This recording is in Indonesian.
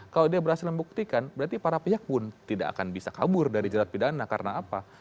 kalau dia berhasil membuktikan berarti para pihak pun tidak akan bisa kabur dari jerat pidana karena apa